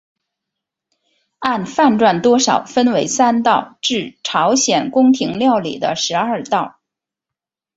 按饭馔多少分为三道至朝鲜宫廷料理的十二道。